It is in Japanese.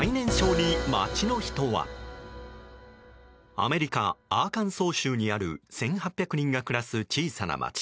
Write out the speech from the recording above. アメリカアーカンソー州にある１８００人が暮らす小さな街。